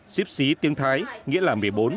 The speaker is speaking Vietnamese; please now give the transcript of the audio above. xíp xí tiếng thái nghĩa là một mươi bốn